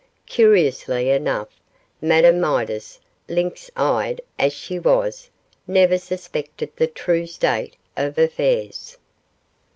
Curiously enough, Madame Midas, lynx eyed as she was, never suspected the true state of affairs.